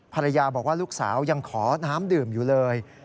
ภรรยาบอกว่าลูกสาวยังขอน้ำดื่มอยู่เลย